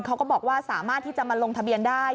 เขาก็บอกว่าสามารถที่จะมาลงทะเบียนได้